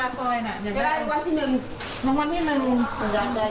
อยากได้กับวันที่หนึ่ง